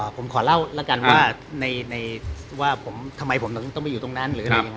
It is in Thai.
ผมขอเล่าละกันว่าทำไมผมต้องไปอยู่ตรงนั้น